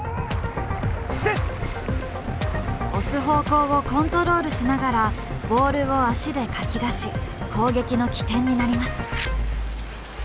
押す方向をコントロールしながらボールを足でかき出し攻撃の起点になります。